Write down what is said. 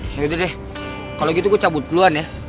yaudah deh kalau gitu gue cabut duluan ya